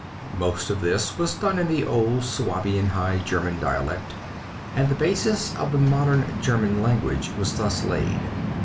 Most of this was done in the old Suabian high German dialect, and the basis of the modern German language was thus laid.